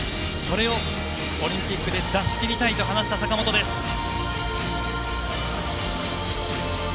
それをオリンピックで出し切りたいと話した坂本です。